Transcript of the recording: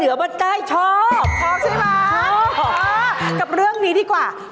เออดีดีกว่า